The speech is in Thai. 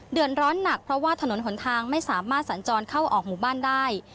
เดือดร้อนหนักเพราะว่าถนนหนทางไม่สามารถสัญจรเข้าออกหมู่บ้านได้